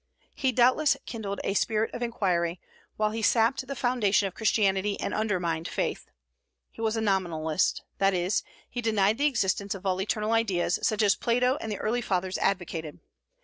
He doubtless kindled a spirit of inquiry, while he sapped the foundation of Christianity and undermined faith. He was a nominalist; that is, he denied the existence of all eternal ideas, such as Plato and the early Fathers advocated.